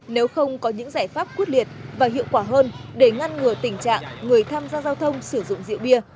nếu không có những giải pháp quyết liệt và hiệu quả hơn để ngăn ngừa tình trạng người tham gia giao thông sử dụng rượu bia